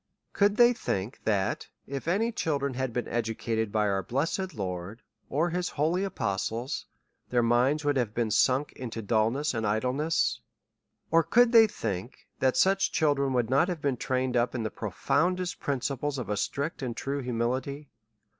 Could they think, that if any children had been educated by our blessed Lord, or his holy apostles, that their minds would have been sunk into dulness and idleness ? Or could they think, that such children would not have been trained up in the profoundest principles of a strict and true humility?